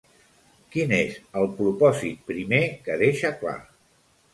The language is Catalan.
Quin és el propòsit primer que deixa clar?